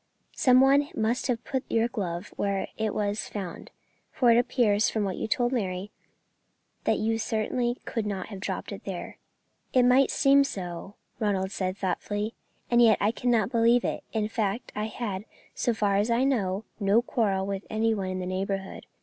Some one must have put your glove where it was found, for it appears, from what you told Mary, that you certainly could not have dropped it there." "It might seem so," Ronald said, thoughtfully, "and yet I cannot believe it; in fact, I had, so far as I know, no quarrel with any one in the neighbourhood.